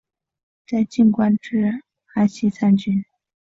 在晋官至安西参军。